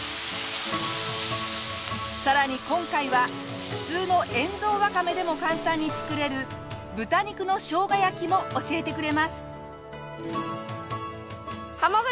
さらに今回は普通の塩蔵ワカメでも簡単に作れる豚肉のしょうが焼きも教えてくれます。